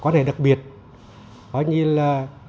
nói như là